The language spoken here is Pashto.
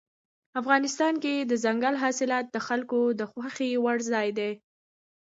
افغانستان کې دځنګل حاصلات د خلکو د خوښې وړ ځای دی.